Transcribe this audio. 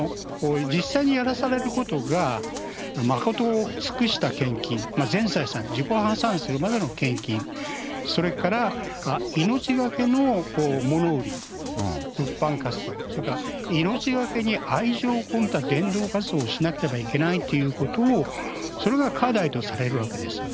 実際にやらされることが、誠を尽くした献金、全財産、自己破産するまでの献金、それから命がけの物売り、物販活動、それから命懸けに愛情を込めた伝道活動をしなければいけないということを、それが課題とされるわけです。